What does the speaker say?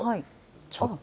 ちょっと。